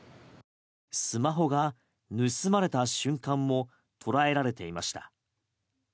スマホが盗まれた瞬間も捉えられていました。